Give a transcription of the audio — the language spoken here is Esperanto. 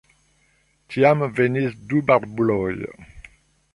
Tiam venis du barbuloj.